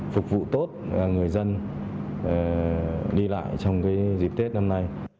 phục vụ tốt là người dân đi lại trong cái dịp tết năm nay